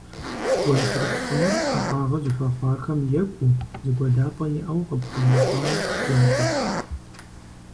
Гуэншэрыкъ щӀыныр ӀэщӀагъэ зыхуэхъуахэм екӀуу, зыгуэдапӀэ иӀэу къыпхуэмыщӀэу ящӀырт.